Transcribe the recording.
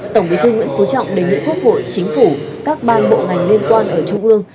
tổng bí thư nguyễn phú trọng đề nghị quốc hội chính phủ các ban bộ ngành liên quan ở trung ương